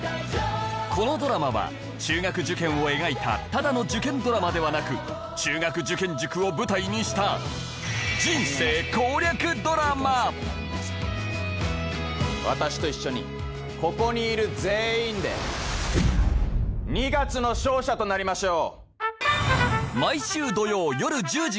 このドラマは中学受験を描いたただの受験ドラマではなく中学受験塾を舞台にした私と一緒にここにいる全員で二月の勝者となりましょう。